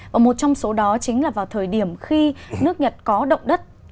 và một trong số đó chính là vào thời điểm khi nước nhật có động đất